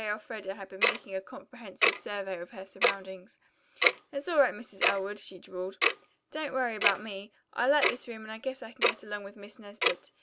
Elfreda had been making a comprehensive survey of her surroundings. "It's all right, Mrs. Elwood," she drawled. "Don't worry about me. I like this room and I guess I can get along with Miss Nesbit.